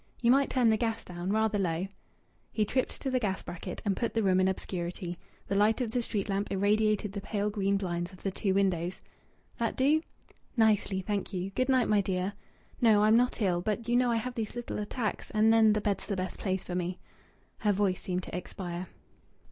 "You might turn the gas down, rather low." He tripped to the gas bracket and put the room in obscurity. The light of the street lamp irradiated the pale green blinds of the two windows. "That do?" "Nicely, thank you! Good night, my dear. No, I'm not ill. But you know I have these little attacks. And then bed's the best place for me." Her voice seemed to expire.